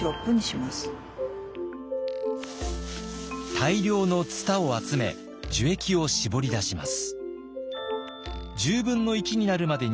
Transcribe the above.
大量のツタを集め樹液を搾り出します。